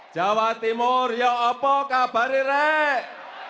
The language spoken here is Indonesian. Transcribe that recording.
jawa timur ya apa kabarir